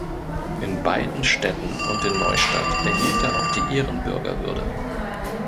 In beiden Städten und in Neustadt erhielt er auch die Ehrenbürgerwürde.